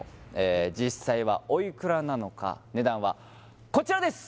実際はおいくらなのか値段はこちらです